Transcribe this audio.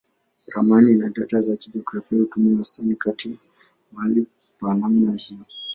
Ramani na data za kijiografia hutumia wastani kati ya mahali pa namna hiyo.